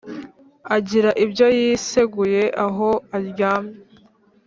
agira ibyo yiseguye aho aryamye